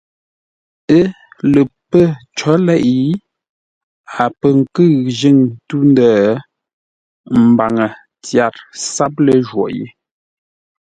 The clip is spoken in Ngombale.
Ə́ lə pə̂ có leʼé, a pə̂ nkʉ̂ʉ njʉ̂ŋ tû-ndə̂, ə mbaŋə tyâr sáp ləjwôghʼ yé.